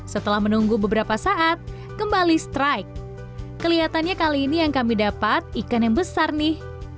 setelah menunggu beberapa saat kembali strike kelihatannya kali ini yang kami dapat ikan yang besar nih